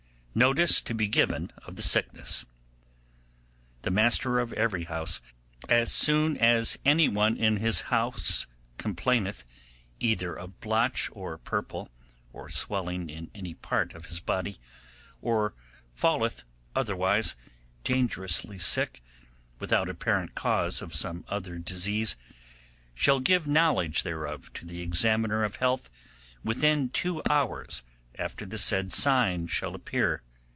Notice to be given of the Sickness. 'The master of every house, as soon as any one in his house complaineth, either of blotch or purple, or swelling in any part of his body, or falleth otherwise dangerously sick, without apparent cause of some other disease, shall give knowledge thereof to the examiner of health within two hours after the said sign shall appear.